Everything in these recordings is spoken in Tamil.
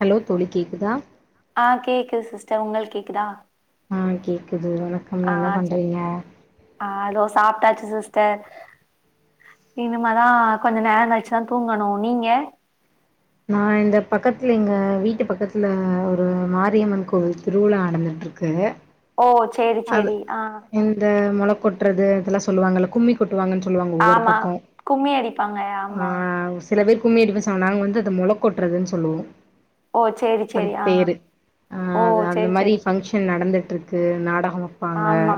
ஹலோ தோழி கேக்குதா ஆஹ் கேக்குது சிஸ் உங்களுக்கு கேக்குதா ஆஹ் கேக் ஆஹ் சரி ஆஹ் அதோ சாப்ட்டாச் சிஸ் டர் இனிமதா கொஞ்சோ நேரோ களிச்சி தா தூங்கணு நீங்க நா இந்த பக்கத்துல எங்க வீட்டு பக்கத்துல ஒரு மாரியம்மன் கோவில் திருவிழா நடந்துன்ட்டு ருக்கு ஓ சேரி சேரி ஆஹ் கொட்டறது இதெல்லா சொல்லுவாங்கல்ல கும்மி கொட் டு வாங்கன் சொல்லுவாங்க ஒவ்வொரு ஆமா பக்கோ கும்மி அடிப்பாங்க ஆமா ஆஹ் சில பேருக் கும்மிடுபசோ நாங்க வந்து அத மொள கொட்டுறதுன்னு சொல்லுவோ ஓ சேரி சேரி அதுக்கு ஆ பேரு அஹ் ஓ அது அந்த சேரி மாதிரி சேரி ஃபங்க்ஷன் நடந்து இருக்கு நாடகோ அமைப்பாங்க ஆமா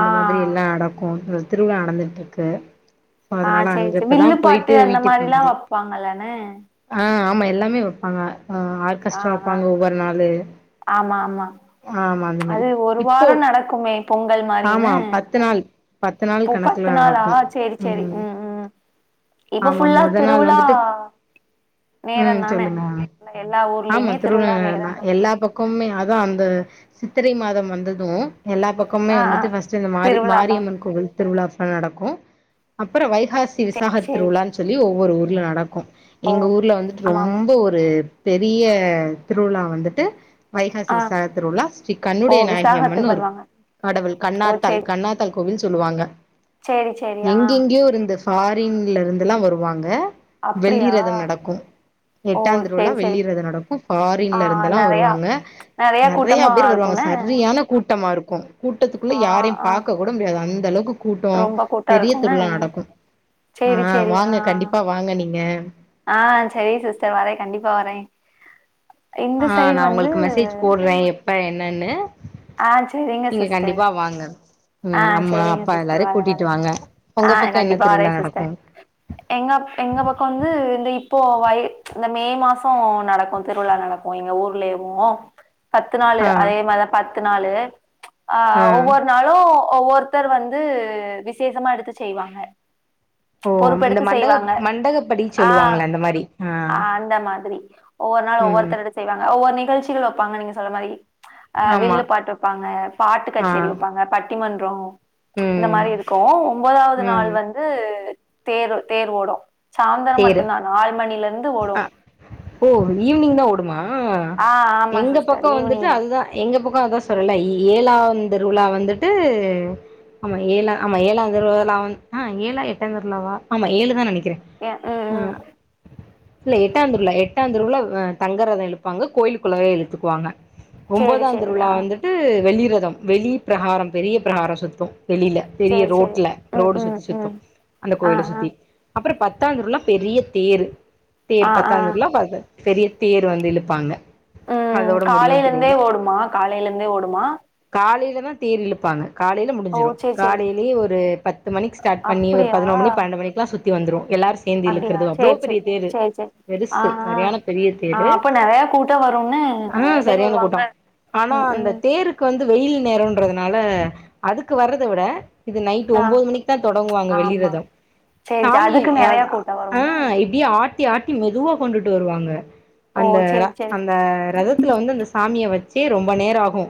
ஆ மாதிரி எல்லாம் நடக்கும் திருவிழா நடந்துட்டு இருக்கு ஆஹ் சேரி சே வில்லு பாட்டு அந்த மாதிரி எல்லாம் வந்தே வைப்பாங்கல்லனே ஆ ஆமா எல்லாமே வைப்பாங்க ஆஹ் ஆர்கெஸ்டரா ஆ வைப்பாங்க ஒவ்வொரு நாளு ஆமா ஆமா ஆமா அந்த மாரி அது ஒரு இப்போ வாரோ நடக்குமே பொங்கல் ஆமா மாரினு பத்து நாள் பத்து நாள் இப்போ பத்து கணக்குல நாளா நடக்கு சேரி சேரி ம் உம் உம் இப்ப ஆமா ஃபுல்லா மொத நாள் திருவிழா வந்துட்டு நேர ம் தானே. சொல்லுங்க எல்லா ஊர்லயுமே திருவிழா நேரந்தா து சித்திரை மாதம் வந்து து எல்லா பக்கமுமே ஆ ஆ வந்துட்டு ஃபஸ்ட் இந்த மாரி திருவிழாதா மாரியம்மன் கோவில் திருவிழாப்ப நடக்கு அப்புறம் வய காசி விசாக சேரி சேரி திருவிழான்னு சொல்லி ஒவ்வொரு ஊர் நடக்கும் ஓ எங்க ஊர்ல வந்துட்டு ஆமா ஆமா ரொம்ப ஒரு பெரிய திருவிழா வந்துட்டு வைகாசி ஆ விசாகத்தில உள்ள ஸ்ரீ ஓ கண்ணுடைய நாயன் கிரி அம்மனு விசாகத்துக்கு இருக் பண்ணுவாங்க கடவுள் ஓ கண்ணாத்தால் சேரி கண்ணாத்தால் கோவில் சொல்லுவாங்க சேரி சேரி ஆ எங்கெங்கேயோ இருந்த ஃபாரின்லருந்துலா வருவாங்க அப்டியா வெள்ளிரதம் நடக்கு. ஓ எட்டாம் திருவிலா சேரி சேரி வெள்ளிரதம் நடக்கும் ஆ ஃபாரின்ல இருந்துல்லா நெறையா வருவாங்க நெறையா கூட்டமா பேர் வருவாங்க இருக்குன்ன சரியான கூட்டமா இருக்கும் கூட்டத்துக்குள்ள ஆ யாரையு ஆ பாக்க கூட முடியாது அந்த அளவுக் கூட்டோ ரொம்ப கூட்டோ பெரிய இருக்குன்ன திருளா நடக்கும் சேரி ஆஹ் வாங்க கண்டிப்பா வாங்க நீங்க ஆஹ் சரி சிஸ்டர் வரே கண்டிப்பா வரே இந்த ஆஹ் சைடு நா வந்து உங்களுக்கு மெசேஜ் போடுறே எப்ப என்னன்னு ஆஹ் சரிங்க நீங்க சிஸ்டர் கண்டிப்பா வாங்க ம் ஆஹ் அம்மா சரிங்க அப்பா சிஸ்டர் எல்லாரையு வரே வரே. கூட்டிட்டு வாங்க உங்க ஆஹ் பக்கோ என்ன கண்டிப்பா வரே திருவிழா நடக்கு சிஸ்டர். எங்க எங்க பக்கோ வந்து இந்த இப்போ வய இந்த மே மாசோ நடக்கு திருவிழா நடக்கு எங்க ஊர்லயவு பத்து நாலு ஆ அதே மாரிதா ப பத்து நாலு ஆஹ் ஆ ஒவ்வொரு நாளு ஒவ்வொருத்தர் வந்து விசேஷமா எடுத்துச் செய்வாங்க ஓ இந்த பொறுப்பெடுத்து மண்டக செய்வாங்க மண்டகப்படி ஆஹ் சொல்லுவாங்கள அந்த மாரி ஆ ஆஹ் அந்த மாதிரி ஒவ்வொரு நாள் ம் ஒவ்வொருத்தர் எடுத்து செய்வாங்க ஒவ்வொரு நிகழ்ச்சிகள் வப்பாங்க நீங்க ற‌மாரி ஆஹ் ஆமா வில்லுப் பாட்டு வப்பாங்க பாட்டுக் ஆ கச்சேரி வப்பாங்க பட்டிமன் றோ இந்த ம் மாரி இருக்கு ஒம்பதாவது ம் நாள் வந்து தேரு தேர் ஓடு சாயந்தரோ தேரு மட்டுந்தா நாலு மணிலருந்து ஓடு அ ஓ ஈவ்னிங் தா ஓடுமா ஆஹ் ஆ ஆமா எங்க சிஸ்டர் பக்கோ வந்துட்டு ஈவினிங் அது தா எங்க பக் வந்து சொல்லல ஏழாம் திருவிழா வந்துட்டு ஆமா ஏழா ஆமா ஏழாம் திருவிழா நா வந் ஆஹ் ஏழா எட்டானு திருவிழாவா ஆமா ஏழு தா நெனைக் ஏ உம் உம் அ இல்ல எட்டாம் திருவிழா எட்டா திருவிழா அ தங்கரதோ இழுப்பாங்க கோயிலுக்குள்ளவே இழுத்துக்குவாங்க சேரி ஒம்போதா சேரி திருவிழா ஆ வந்துட்டு வெளிய றத வெளி பிரகாரம் பெரிய பிரகாரோ சுத்துனு வெளில பெரிய சேரி சேரி ரோட்ல ம் ரோடு ம் சுத்தி சுத்து ம் அந்த ஆ கோயில ஆ சுத்தி அப்றோ பத் தா திருவிழா பெரிய தேரு தேர் ஆ ஆ பத்தாதுல பாக்க பெரிய தேர் வந்து இழுப்பாங்க உம் அதோட முடியும் காலைலந்தே திருவிழா ஓடுமா காலைலந்தே ஓடுமா காலையில தா தேர் இழுப்பாங்க காலைல ஓ முடிஞ்சிடு சேரி சேரி காலைலயே ஒரு பத்து மணிக்கு ஸ்டார்ட் பண்ணி ஒரு அப்டியா பதினோரு மணி பன்னெண்டு மணிக்கெல்லா சுத் தி வந்துரு எல்லா சேந்து அப்டியா இழுக்குறது அவ்ளோ சேரி பெரிய சேரி தேரு சேரி சேரி ஆ பெருசு ஆ சரியான பெரிய ஆ தேரு அப்ப நெறைய கூட்டம் வரும்னு நெறைய ஆஹ் பேர் சரியான வருவாங்க கூட்டோ‌ ஆனா ம் அந்த ம் தேருக்கு வந் வெயில் நேரோன்றதுனால அதுக்கு வர்றத விட இது நைட் ஆ ஒம்போது மணிக்கு தா தொடங்குவாங்க ஆமா வெள்ளிரத சாமிய அ டோ ‌வருமே ஆட்டி ஆட்டி மெதுவா கொண்டுட்டு வருவாங்க ஓ அந்த ர சேரி சேரி அந்த ரதத்துல வந்து அந்த சாமிய வச்சே ரொம்ப நேர ஆகு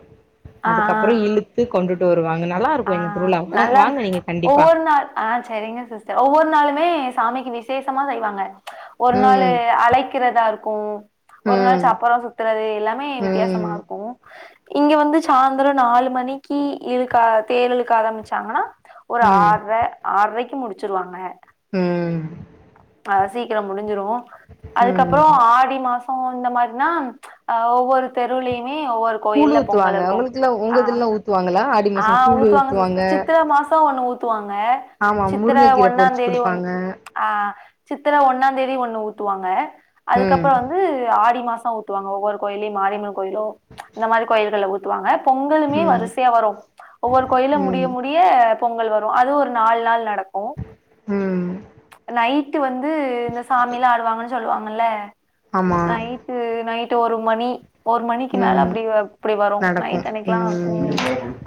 அதுக்கப்பற இழுத்து கொண்டுட்டு வரு ஆஹ் நல்லாரு கண்டிப்பா ஒவ்வொரு நாள் ஆஹ் சரிங்க சிஸ்டர் ஒவ்வொரு நாளுமே சாமிக்கு விசேஷமா செய்வாங்க ஒரு நாளு ம் அழைக்கிறதாருக்கு ஒரு நாள் ம் சப்பறம் சுத்துறது எல்லாமே ம் வித்தியாசமாருக்கு இங்க வந்து சாந்தர நாலு மணிக்கு இருக்கா தேரிலுக்க ஆரம்பிச்சாங்ன்னா ஒரு ம் ஆறெ ஆறைக் முடிச்சுருவாங்க ம் அ சீக்கிரோ முடிஞ்சிரு அதுக்கப்றோ ம் ஆடி மாச ஒ இந்த மாரினா அ ஒவ்வொரு தெருவுளயு கூழு ஊத்துவாங்க உங்குளுக்ல்லா உங்க இதுல்லா ஊத்துவாங்களா ஆடி மாசோ ஆஹ் கூழ் ஊத்துவாங்க சிஸ் சித்திர மாச ஒன்னு ஊத்துவாங்க ஆமா சித்திர முருங்கக்கீர பொறிச்சு ஒன்னாந்தேதி ஒன் குடுப்பாங்க ஆஹ் சித்திர ஒன்னாந்தேதி ஒன்னு ஊத்துவாங்க ம் அதுக்கப்பற வந்து ஆடி மாச ஊ த்துவாங்க ஒவ்வொரு கோயில்லையு மாரியம்ம கோயிலோ இந்த மாரி கோயில்கள்ல ஊத் த்துவாங்க பொங்கலுமே ம் வரிசையா வரு ஒவ்வொரு கோயிலா முடிய ம் முடிய அ பொங்கல் வரு அது ஒரு நாலு நாள் நட கு ம் நைட்டு வந்து இந்த சாமில்லா ஆடுவாங்க சொல்லுவாங்கல்ல ஆமா நைட்டு நைட் ட்டு ஒரு மணி ஒரு மணிக்கு மேல ம் அப்டி ப்புடி வரு நைட் அன்னைக்லா ம்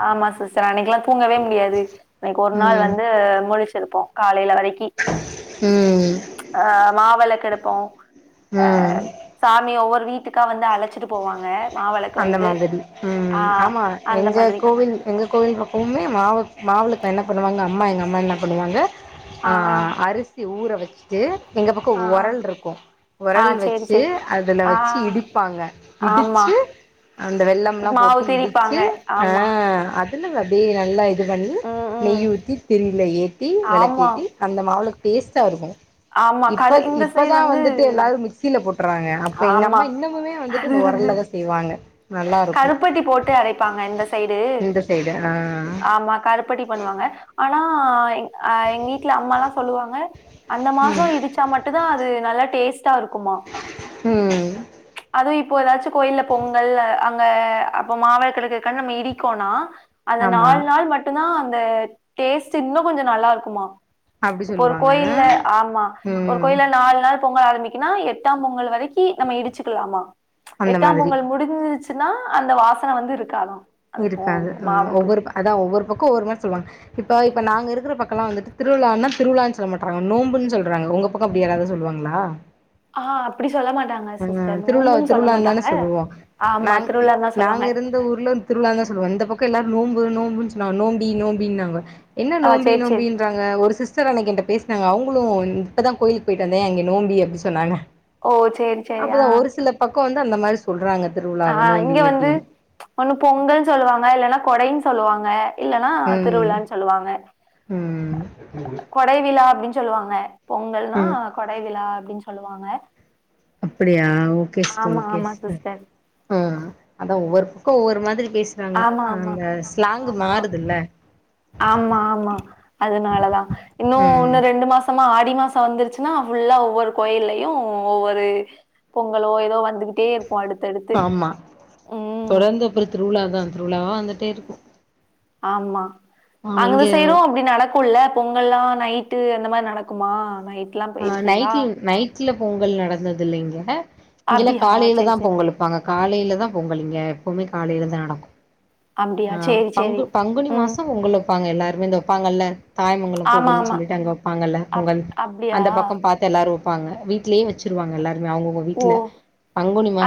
ஆமா சிஸ்ஸர் அன்னைக்லா தூங்கவே முடியாது அன்னிக்கு ஒரு நாள் ம் ம் வந்து முழிச் இருப்போ காலைல வ ரக்கி அ மாவெளக்கெடுப்போ அ ம் சாமி ஒவ்வொரு வீட் ட்டுக்கா வந்து அழச்சிட்டு போவாங்க மாவெளக்கு அந்த வந்து மாதிரி ஆ உம் ஆமா அந்த எங்க மாதிரி கோவில் எங்க கோயில் பக்கமுமே மாவுக் மாவெளக் என்ன பண்ணுவாங்க அம்மா எங்க அம்மா என்ன பண்ணுவாங்க ஆ ஆ ஆஹ் அரிஸ் சி ஊற வெச்சுட்டு எங்க பக்கோ ஆ ஆ ஒரல்ருக்கு ஆ ஒரல் சேரி வெச்சு சேரி அதுல ஆ வெச்சு இடிப்பாங்க ஆமா இடிச்சு அந்த வெள்ளம்லா மாவு போட்டு இடிச்சு திரிப்பாங்க அ ஆமா அதுல அத அப்டே நல்லா இ இது பண்ணி ம் ம் நெய் ஊத்தி திரில ஏத்தி ஆமா வெளெக்கேத்தி அந்த மாவ்ள டேஸ்ட்டாருக்கூ ஆமா. கரு இப்ப இந்த சைடு இப்பதா வந்து வந்துட்டு எல்லாரு மிக்சில போ றாங்க அப்ப எங்க ஆமா. அம்மா இன்னமுமே வந்துட்டு அது இந்த வந்து ஒரல்லதா செய்வாங்க நல்லா இருக்கு கருப்பட்டி போட்டு அரைப்பாங்க இந்த சைடு இந்த சைடு ஆ ஆமா கருப் படி பண்ணுவாங்க ஆனா அஹ் எங்க வீட்ல அம்மலா சொல்லுவாங்க அந்த மாச இடிச்சா மட்டு தா அது நல்லா டேஸ்ட் டா இருக்குமா ம் அதுவு இப் இப்போ ஏதாச்சு கோயில் பொங் கல் அங்க அப்ப மாவிளக்கெடுக்கது நம்ம இடிக்கோனா அந்த ஆமா நாலு நாள் மட்டும்தா அந்த டேஸ்ட் இன்னு கொஞ்சோ நல்லா இருக்குமா அப்டி இப்ப ஒரு சொல்லுவாங்க கோயில்ல ஆமா ஒரு ம் கோயில நாலு நாள் பொங்கல் ஆரம்பிக் ஏன்னா எட்டாம் பொங்கல் வரைக்கி நம்ம இடிச்சுக்கலாமா அந்த மாதிரி து முடிஞ்சிருச்சு னா அந்த வாசன வந்து இருக்காதா இருக்காது ஆஹ் ஒவ்வொரு அதான் ஒவ்வொரு பக்கோ ஒவ்வொரு மாரி சொல்லுவாங்க இப்ப இப்ப நாங்க இருக்கிற பக்கம்லா வந்துட்டு திருவிழான்னா திருவிழான்னு சொல்லமாட்டறாங்க நோம்புன்னு சொல்றாங்க உங்க பக்கம் அப்டி யாராவது சொல்லுவாங்களா ஆஹ் அப்டி சொல்ல மாட்டாங்க அஹ் சிஸ்டர் திருவிழா நோம்புன்னு சொல்ல திருவிழான்தான மாட்டாங்க சொல்லுவோ நா ஆமா திருவிழான்னுதா நாங்க சொல்லுவாங்க இருந்த ஊர்ல திருவிழான்தா சொல்லுவோ இந்த பக்கம் எல்லாரு நோம்பு நோம்பு நோம்பி நோம்பினாங்க என்ன ஆ நோம்பி சேரி சேரி நோம்பின்றாங்க ஒரு சிஸ் சிஸ்டர் அன்னகி என்கிட்ட பேசுனாங்க அவுங்களு இப்பதா கோயிலுக்கு போய்ட்டுவந்தே அங்கே நோம்பி அப்டினு சொன்னாங்க ஓ சேரி சேரி அப்பதா ஒரு சில பக் க்கம் வந்து அந்த மாரி சொல்றாங்க திருவிழாவ ஆஹ் நோம்பி இங்க வந்து அப்டின்னு ஒண்ணு பொங்கல் சொல்லுவாங்க இல்லன்னா கொடை சொல்லுவாங்க இல்லன்னா ம் திருவிழாண்ணு சொல்லுவாங்க ம் கொடை வி தா அப்டின்னு சொல்லுவாங்க பொங்கல்னா ம் கொடை விழா அப்டின்னு சொல்லுவாங்க அப்டியா ஓகே சிஸ்டர் ஆமா ஓகே ஆமா சிஸ்டர் அதா ஒவ்வொரு க்கோ ஒவ்வரு மாதிரி பேசுறாங்க ஆமா ஆமா அந்த ஸ்லாங்கு ஆமா மாறுதுல்ல ஆமா ஆமா அதனாலதா இன்னும் ம் இன்னு ரெண்டு மாசமா ஆட் தி மாச வந்துருச்சுனா ஃபுல்லா ஒவ்வொரு கோயில்யு ஒவ்வொரு பொங்கலோ எதோ வந்து து கிட்டே இருப்போ அடுத்தடுத்து ஆமா ம் தொடர்ந்து அப்புறோ திருவிழா திருவிழாவா வந்துட்டே இருக்கு ஆமா ஆமா அங்த இங்க சைடு அப்டி நடக்குல்ல பொங்கல்ல்லா நைட்டு அந்த மாரி நடக்குமா நைட் அ நைக்கிங் நை ல பொங்கல் நடந்தது இல்லிங்க இங்கெலா அப்டியா சரி காலைலதா சரி. பொங்கல் வப்பாங்க காலைலதா பொங்கல் இங்க போமே காலைல தா நடக்கு ஆ அப்டியா சேரி சேரி. பங்கு பங்குனி ம். மாசம் உங்குளுக் வெப்பாங்க எல்லாருமே இந்த வெப்பாங்கல்ல தாயமங்கலம் ஆமா கோவில்னு ஆமா. சொல்லிட்டு அங்க வெப்பாங்கல்ல அப் பொங்கல் அப்டியா? அந்த பக்கம் பாத்து எல்லாரும் ப்பாங்க வீட்லயே வச்சிருவாங்க எல்லாரும் ஓ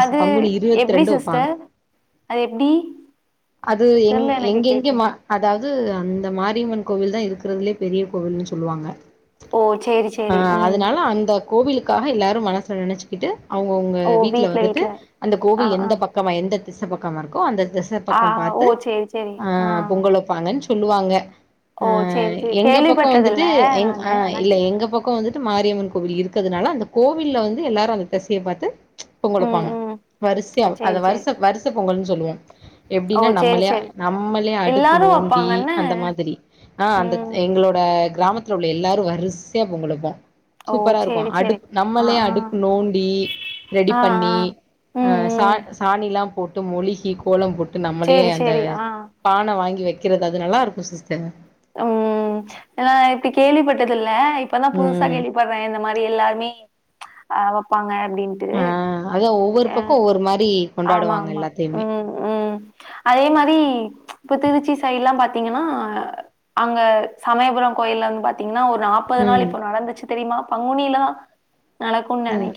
அது பங்குனி இருவத்தி எப்டி ரெண்டு வெப்பாங்க சிஸ்டர் அது எப்டி அது எங் தெர்ல எனக்கு எங்கே எங்கே கேக்க. மா அதா அது அந்த மாரிம்மன் கோவில் தான் இருக்கறதுலயே பெரிய கோவில்ன்னு சொல்லுவாங்க ஓ! சேரி ஆ சேரி. ம். அதனால அந்த கோவிலுக்காக எல்லாரும் மனசுல நெனச்சுக்கிட்டு அவுங்கவுங்க வீட்ல வந்துட்டு அந்த ஆ கோவில் ஆ. எந்த பக்கமா எந்த திச பக்கமா இருக்கும் அந்த தெஸ் ஆ க்கம் ஓ! பாத்து சேரி சேரி. ஆ பொங்கல் வெப்பாங்கன்னு சொ சொல்லுவாங்க ஆ ஓ! சேரி சேரி. எங்க பக்கம் வந்துட்டு கேள்விப்பட்டதில்ல எ நானு ஆஅ அதான் இல்ல கேக்கேன். எங்க பக்கம் வந்துட் த்து மாரியம்மன் கோவில் இருக்கறதுனால அந்த கோவில்ல வந்து எல்லாரு அந்த தெசைய பாத்து பொங்கல் ம் வெப்பாங்க ம் வரிசையா ஓ அத சேரி சேரி வரிச வரிச பொங்கல்னு சொல்லுவோம் ஓ எப்பிடின்னா சேரி நம்மளே சேரி நம்மளே அடுப்பு எல்லாரு நோண்டி வப்பாங்கன்னு அந்த மாதிரி ஆ அந்த ம் எங்களோட கிராமத்துல உள்ள எல்லாரு வரிசையா பொங்கல் வெப்போ ஓ சூப்பரா இருக்கு சேரி சேரி அடுப்பு ஆ நம்மளே ஆ அடுப்பு நோண்டி ரெடி ஆ ஆ பண்ணி ஆ ம் சா ம் சாணி எல்லா போட்டு மொழுகி கோலம் போட் ட்டு நம்மளே சேரி அந்த சேரி ஆ பானை வாங்கி வைக் இருக்கிறது அது நல்ல இருக்கோ சிஸ் உம் ஏனா இப்படி கேள்விப்பட்டதில்ல ல்ல இப்பதா புதுசா ம் கேள்விப்பட்றே இந்த மாரி எல்லாருமே ஆஹ் வெப்பாங்க ஆஹ் அத்தா ஒவ்வொரு பக்கோ ஒவ்வொரு மாரி ஆமா கொண்டாடுவாங்க ஆமா எல்லாத்தையுமே ம் ம். அதே மாரி இப்ப திருச்சி சைட்லாம் பாத்தீங்கன்னா ஆ அங்க சமயபுரோ கோயில்ல வந்து பாத்தீங் ன்னா ஒரு நாற்பது நாள் ம் இப்போ நடந்துச்சி தெரியுமா பங்குனிலா உம்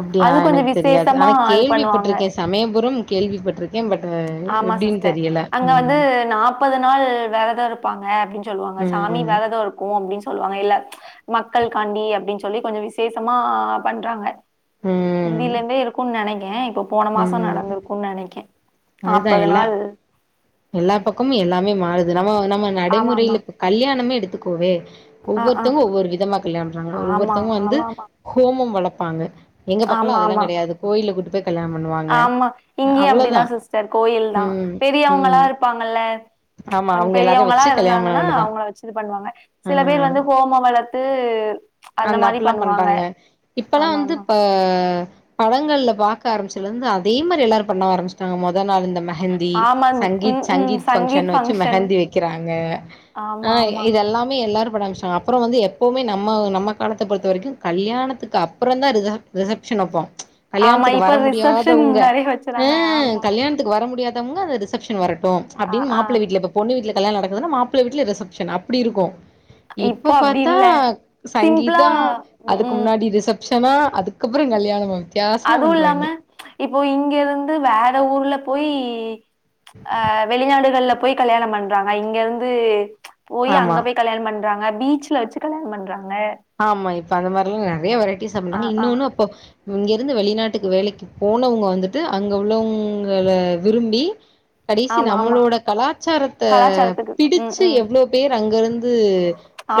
அப்டியா எனக்கு கொஞ்சம் தெரியாது விசேஷமா ஆனா இது பண்ணுவாங்க. கேள்விப்பட்டிருக்கே சமயபுறம் கேள்விப்பட்டிருக்கே பட் ஆ ஆமா சிஸ்டர் அங்க வந்து நாற்பது நாள் விரதோ இருப்பாங்க அப்டின்னு சொல்லுவாங்க சாமி ம் விரதோ இருக்கோ அப்டின்னு சொல்லுவாங்க இல்ல மக்கள் காண்டி அப்டின்னு சொல்லி கொஞ்சோ விசேஷமா பண்றாங்க ம் இந்தியில இருந்தே இருக்குன்னு நெனைக் [inaudible] இப்போ போன மாசோ ம் நடந்திருக்கும்னு நெனைக்கே அதுதா நாப்பது எல்லா நாள் எல்லா பக்கமும் எல்லாமே மாறுது நம்ம நம் ஆமா ஆமா நடைமுறையில இப்ப கல்யாணமே எடுத் த்து குவே ஆ ஆ ஒவ்வொருத்தவங்க ஒவ்வொரு விதமா கல்யாணம் பண்றாங்க ஆமா ஒவ்வொருத்தவங்க வந்து ஆமா ஆமா ஹோமம் வளர்ப் ப்பாங்க எங்க பக்கல ஆமா அதெல்லா ஆமா கெடையாது கோயில்ல கூட்டிட் ஆமா இங்கயு அப்டிதா சிஸ்டர் கோயில் தா ம் பெரியவங் கல்லா ம் இருப்பாங்கல்ல ஆமா கொஞ்சோ அவங்க எல்லாரையு பெரியவங்களா வச்சு கல்யாண பண்ண இருந்தாங்கன்னா வேண்டியதா அவுங்கள வெச்சு இது பண்ணுவாங்க சில பேர் ஆ வந்து ஹோமோ வளத்து அந்த மாரி அப்பல்லா பண்ணுவாங்க பண்றாங்க இப்பல்லா ஆமா வந்து ஆமா இப்ப படங்கள்ல பார்க்க ஆரம்பச்சதுலிருந்து அதே மாரி எல்லாரு பண்ண ஆரம்பச்சிட்டாங்க மொதல் நாள் இ அந்த மெஹந்தி ஆமா சங்கீத் ம் ம் சங்கீத் பங்க்ஷன் வெச்சு ஃபங்க்ஷன் மெகந்தி வெக்கிறாங்க ஆ ஆமா ஆமா இதெல்லாமே எல்லாரு [unintelligible] அப்புறோ வந்து எப்பவுமே நம்ம நம்ம காலத்த பொறுத்த வரைக்கோ கல்யாணத்துக்கு அப்புறோ தா ரி ரிசப்ஷன் வெப்போ ஆமா கல்யாணத்துக்கு வர இப்ப ரிசப்ஷன் முடியாதவங்க நிறைய ஆ வச்சுறாங்க ஆமா கல்யாணத்துக்கு வர முடியாத எங்க அது ரிசப்ஷன் னு வர ஆ அப்பிடின்னு ஆ மாப்பிள்ள வீட்டுல இப்ப பொண்ணு வீட்டுல கல்யாணம் நடக்குதுன்னா மாப்பிள்ள வீட்டுல ரிசப்ஷன் அப்படி இருக்கு இப்போ இப்ப அப்டி பார்த்தா இல்ல சிம்பிளா சங்கீத்தா ம் அதுக்கு ம் முன்னாடி ரிசப் சனா அதுக்கப்புறம் கல்யாணமா வித்தியாசமா அதுவும் இல்லாம பண்றாய்ங்க இப்போ இங்க இருந்து வேற ஊர்லப் போயி ஆ வெளிநாடுகள் ல போயி கல்யாணம் பண்றாங்க இங்க இருந்து போயி ஆமா அங்க போய் கல்யாணம் பண்ண ராங்க பீச்ல வச்சு கல்யாணம் பண்றாங்க ஆமா இப் அந்த மாரிலாம் நிறையா வெரை பேசனா ஆ ஆ இன்னொன்னு அப்போ இங்கிருந்து வெளிநாட்டுக்கு வேலைக்கு போனவங்க வந்துட்டு அங்க உள்ளவங்கள விரும்பி கடைசி ஆமா ஆமா நம்மளோட கலாச்சாரத்தை கலாச்சாரத்துக்கு ம் பிடிச்சு ம் எவ்வளவு பேர் அங்க இருந்து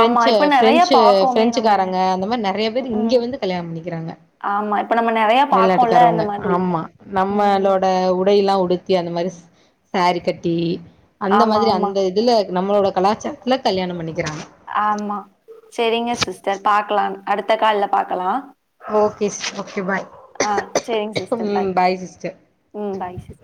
ஆமா இப்ப நெறைய பிரெஞ்ச் அ பாக்கோமே நம்ம பிரெஞ்சுக்காரங்க அந்த மாதிரி நிறைய ம் பேர் இங்க ம் வந்து கல்யாணம் பண்ணிக்கிறாங்க ஆமா இப்ப நம்ம நெறைய பாக்கோல வெளிநாட்டுக்காரவங்க இந்த மாதிரி ஆமா ம் நம்மளோட உடையெல்லாம் உடு அந்த மாரிஸ் சேரீ கட்டி அந்த ஆமா மாதிரி ஆமா அந்த இதுல நம்மளோட கலாச்சாரத்துல கல்யாணம் பண்ணிக்கிறாங்க ஆமா சரிங்க சிஸ்டர் பாக்கலாம் அடுத்த கால்ல பாக்கலாம் ஓகே சிஸ்டர் ஓகே பாய் ஆ சரிங்க சிஸ்டர் ம் பாய் சிஸ்டர் ம் பாய் சிஸ்டர்